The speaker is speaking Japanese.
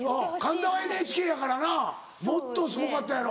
神田はＮＨＫやからなもっとすごかったやろ。